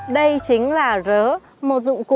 đây chính là rớ